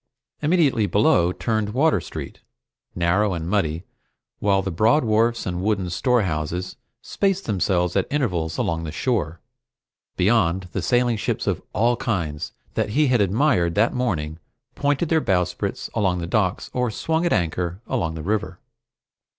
Immediately below turned Water Street, narrow and muddy, while the broad wharves and wooden storehouses spaced themselves at intervals along the shore. Beyond, the sailing ships of all kinds that he had admired that morning pointed their bowsprits along the docks or swung at anchor along the river.